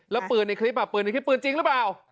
แล้วเปลือนในคลิปอะเปลือนในคลิปจริงหรือเปล่า